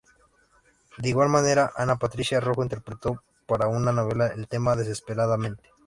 De igual manera, Ana Patricia Rojo interpretó para una novela el tema "Desesperadamente".